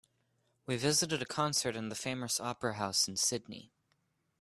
We visited a concert in the famous opera house in Sydney.